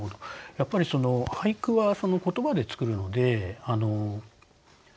やっぱり俳句は言葉で作るので。